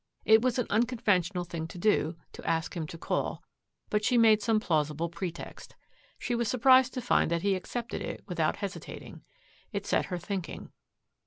It was an unconventional thing to do to ask him to call, but she made some plausible pretext. She was surprised to find that he accepted it without hesitating. It set her thinking.